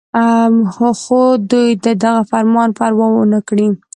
خو دوي د دغه فرمان پروا اونکړه